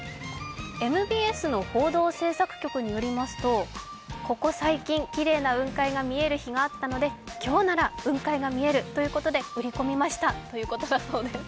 ＭＢＳの報道制作局によりますとここ最近、きれいな雲海があった日があったので今日なら雲海が見えるということで売り込みましたということです。